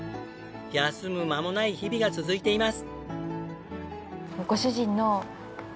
休む間もない日々が続いています。